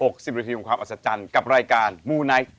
๖๐นาทีของความอัศจรรย์กับรายการมูไนท์